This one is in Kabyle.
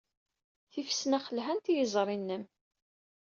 Tifesnax lhant i yiẓri-nnem.